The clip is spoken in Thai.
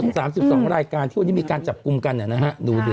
ทั้งหมด๓๒รายการที่วันนี้มีการจับกลุ่มกันนะฮะดูด้วย